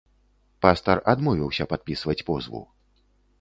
Пастар адмовіўся падпісваць позву.